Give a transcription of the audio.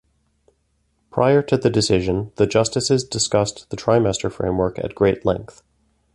Prior to the decision, the justices discussed the trimester framework at great length.